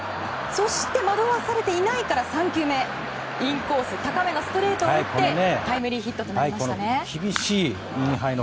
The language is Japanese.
そして惑わされていないから３球目、インコース高めのストレートを打ってタイムリーヒットとなりましたね。